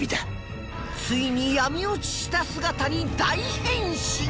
ついに闇落ちした姿に大変身